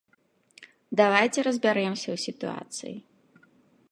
Давайце разбярэмся ў сітуацыі.